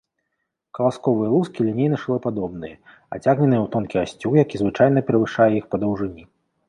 Каласковыя лускі лінейна-шылападобныя, адцягненыя ў тонкі асцюк, які звычайна перавышае іх па даўжыні.